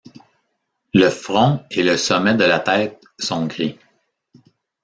Le front et le sommet de la tête sont gris.